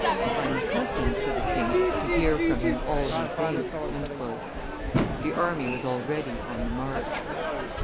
"I am accustomed," said the king, "to hear from him all he thinks." The army was already on the march.